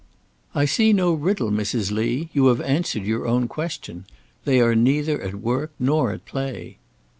"I see no riddle, Mrs. Lee. You have answered your own question; they are neither at work nor at play."